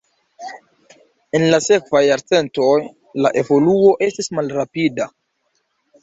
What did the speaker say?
En la sekvaj jarcentoj la evoluo estis malrapida.